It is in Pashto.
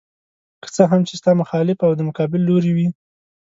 که څه هم چې ستا مخالف او د مقابل لوري وي.